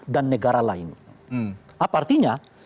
dan negara lain apa artinya